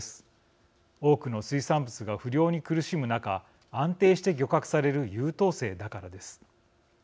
多くの水産物が不漁に苦しむ中安定して漁獲される優等生だからです。